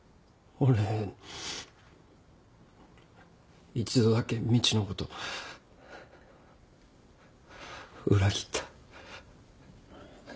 俺一度だけみちのこと裏切った。